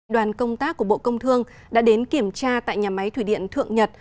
đoàn công tác của bộ công thương đã đến kiểm tra tại nhà máy thủy điện thượng nhật